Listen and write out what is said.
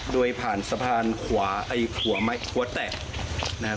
โดยผ่านสะพานขวาหัวแตะ